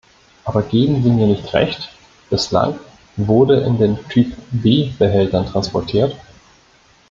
Aber geben Sie mir nicht recht? Bislang wurde in den Typ B-Behältern transportiert.